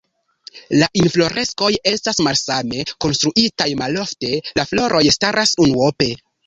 La infloreskoj estas malsame konstruitaj, malofte la floroj staras unuope.